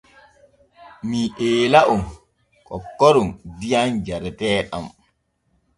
Mi eela on kokkoron diyam jareteeɗam.